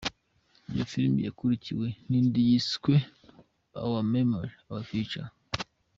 Iyo film yakulikiwe n’indi yiswe “ Our memory, Our future”.